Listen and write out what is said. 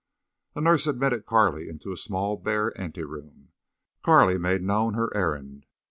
A nurse admitted Carley into a small bare anteroom. Carley made known her errand.